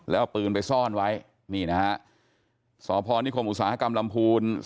แล้วมีปืนซ่อนไว้นี่นะฮะสอบภอร์นิคมอุตสาหกรรมรำภูนิ